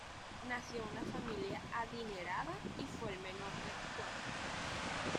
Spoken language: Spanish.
Nació en una familia adinerada y fue el menor de cuatro hermanos.